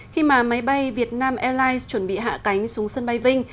khi mà máy bay vietnam airlines chuẩn bị hạ cánh xuống sân bay vinh